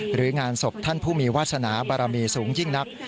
หรืองานศพท่านผู้มีวาสนาบารมีสูงยิ่งนัก